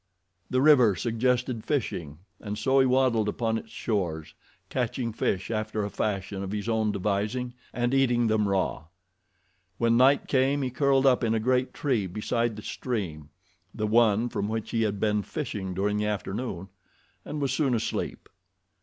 The river suggested fishing and so he dawdled upon its shores, catching fish after a fashion of his own devising and eating them raw. When night came he curled up in a great tree beside the stream—the one from which he had been fishing during the afternoon—and was soon asleep.